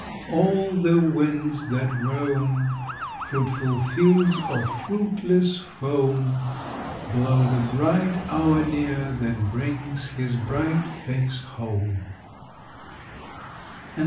All the winds that roam Fruitful fields or fruitless foam Blow the bright hour near that brings his bright face home.